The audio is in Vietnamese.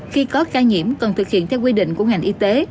khi có ca nhiễm cần thực hiện theo quy định của ngành y tế